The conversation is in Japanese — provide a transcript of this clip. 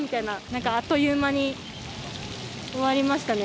何かあっという間に終わりましたね。